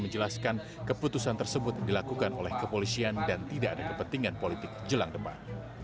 menjelaskan keputusan tersebut dilakukan oleh kepolisian dan tidak ada kepentingan politik jelang debat